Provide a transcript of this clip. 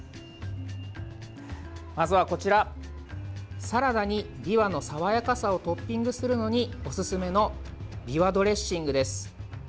まずは、サラダにびわの爽やかさをトッピングするのにおすすめのびわドレッシングです。